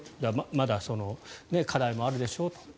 まだ課題もあるでしょうと。